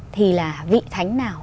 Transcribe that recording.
thì là vị thánh nào